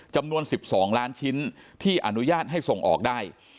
จำนวน๑๒ล้านชิ้นที่อนุญาตให้ส่งออกได้